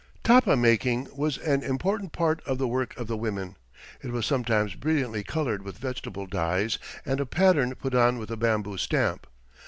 Tapa making was an important part of the work of the women. It was sometimes brilliantly coloured with vegetable dyes and a pattern put on with a bamboo stamp.